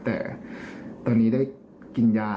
แต่ตอนนี้ได้กินยา